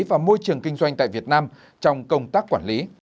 và môi trường kinh doanh tại việt nam trong công tác quản lý